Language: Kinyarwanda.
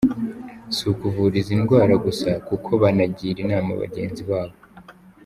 Si ukuvura izi ndwara gusa kuko banagira inama bagenzi babo.